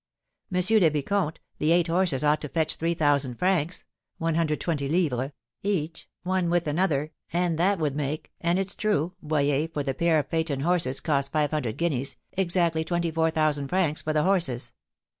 'Monsieur le Vicomte, the eight horses ought to fetch three thousand francs (120_l._) each, one with another, and that would make (and it's true, Boyer, for the pair of phaeton horses cost five hundred guineas) exactly twenty four thousand francs for the horses.